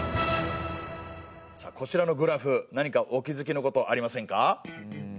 さあこちらのグラフ何かお気づきのことありませんか？